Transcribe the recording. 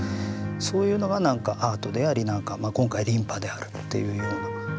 そういうのがなんかアートであり今回琳派であるっていうような。